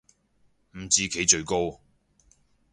五子棋最高